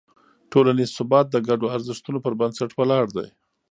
ټولنیز ثبات د ګډو ارزښتونو پر بنسټ ولاړ دی.